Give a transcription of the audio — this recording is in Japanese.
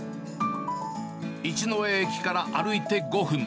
一之江駅から歩いて５分。